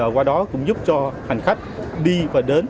qua đó cũng giúp cho hành khách đi và đến